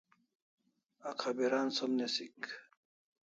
Akhabiran som nisik